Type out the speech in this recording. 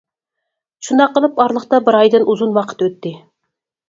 شۇنداق قىلىپ ئارىلىقتا بىر ئايدىن ئۇزۇن ۋاقىت ئۆتتى.